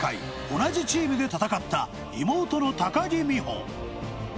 同じチームで戦った妹の木美帆